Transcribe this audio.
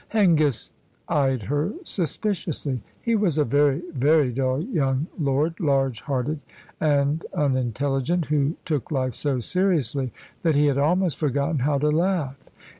Hengist eyed her suspiciously. He was a very, very dull young lord, large hearted and unintelligent, who took life so seriously that he had almost forgotten how to laugh.